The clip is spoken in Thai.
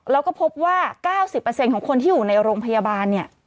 แล้วก็พบว่า๙๐ของคนที่อยู่ในโรงพยาบาลเนี่ย